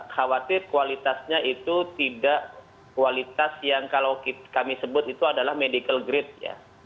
khawatir kualitasnya itu tidak kualitas yang kalau kami sebut itu adalah medical grade ya